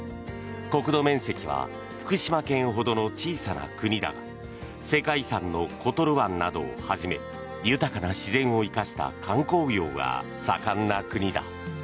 国土面積は福島県ほどの小さな国だが世界遺産のコトル湾などをはじめ豊かな自然を生かした観光業が盛んな国だ。